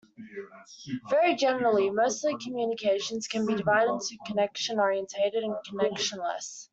Very generally, most of communications can be divided into connection-oriented, and connectionless.